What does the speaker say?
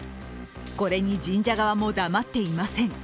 これに神社側も黙っていません。